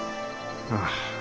ああ。